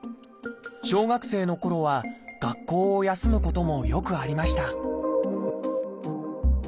小学生のころは学校を休むこともよくありました